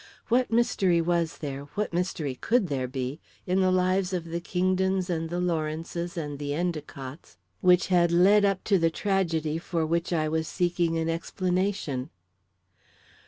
What mystery was there what mystery could there be in the lives of the Kingdons and the Lawrences and the Endicotts, which had led up to the tragedy for which I was seeking an explanation?